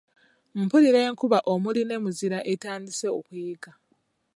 Mpulira enkuba omuli ne muzira etandise okuyiika.